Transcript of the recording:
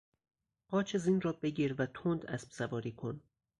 قاچ زین را بگیر و تند اسبسواری کن.